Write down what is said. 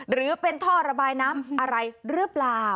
หรือเป็นท่อระบายน้ำอะไรหรือเปล่า